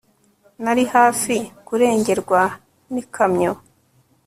nari hafi kurengerwa n'ikamyo